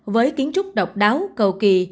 với kiến trúc độc đáo cầu kỳ